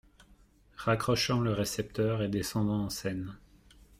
Raccrochant le récepteur et descendant en scène.